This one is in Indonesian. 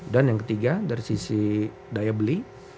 dan yang ketiga dari sisi daya beli